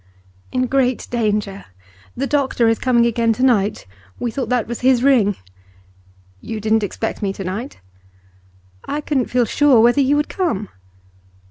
'In great danger. The doctor is coming again to night; we thought that was his ring.' 'You didn't expect me to night?' 'I couldn't feel sure whether you would come.